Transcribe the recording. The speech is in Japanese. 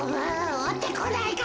おってこないか？